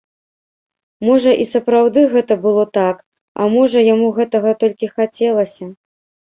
Можа, і сапраўды гэта было так, а можа, яму гэтага толькі хацелася.